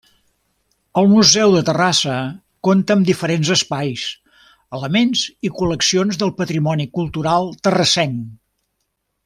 El Museu de Terrassa compta amb diferents espais, elements i col·leccions del patrimoni cultural terrassenc.